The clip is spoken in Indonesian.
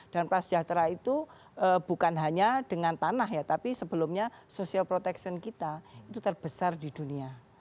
dan prasejahtera itu bukan hanya dengan tanah ya tapi sebelumnya social protection kita itu terbesar di dunia